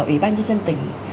ủy ban nhân dân tỉnh